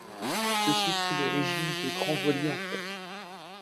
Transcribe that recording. Ceci fut l'origine des grands voiliers en fer.